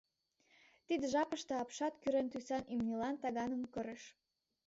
Тиде жапыште апшат кӱрен тӱсан имньылан таганым кырыш.